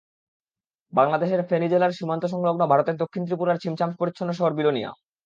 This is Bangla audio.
বাংলাদেশের ফেনী জেলার সীমান্ত-সংলগ্ন ভারতের দক্ষিণ ত্রিপুরার ছিমছাম পরিচ্ছন্ন শহর বিলোনিয়া।